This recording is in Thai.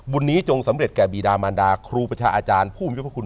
บุญนี้จงสำเร็จแก่บีดามันดาครูประชาอาจารย์ผู้มีพระคุณ